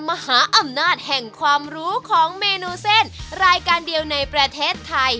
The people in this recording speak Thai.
มหาอำนาจแห่งความรู้ของเมนูเส้นรายการเดียวในประเทศไทย